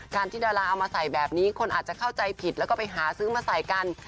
ที่ดาราเอามาใส่แบบนี้คนอาจจะเข้าใจผิดแล้วก็ไปหาซื้อมาใส่กัน